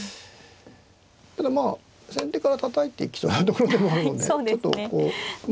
ただまあ先手からたたいていきそうなところでもあるのでちょっとこうね